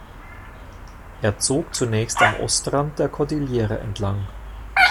Er zog zunächst am Ostrand der Kordillere entlang.